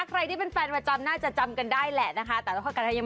ใครที่เป็นแฟนประจำน่าจะจำกันได้แหละนะคะ